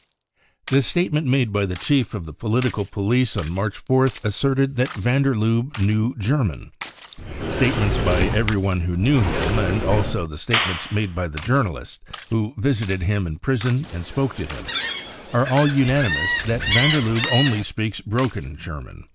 * The statement made by the chief of the political police on March 4th asserted that van der Lubbe knew German, Statements by everyone who knew him, and also the statements made by the journalists who visited him in prison and spoke to him, are all unanimous that van der Lufebe only speaks broken German.